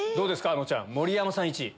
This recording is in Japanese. あのちゃん盛山さん１位。